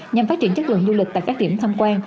nhằm phát triển chất lượng du lịch tại các điểm tham quan